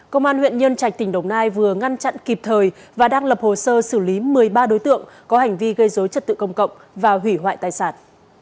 công an huyện nhân trạch tỉnh đồng nai vừa ngăn chặn kịp thời và đang lập hồ sơ xử lý một mươi ba đối tượng có hành vi gây dối trật tự công cộng và hủy hoại tài sản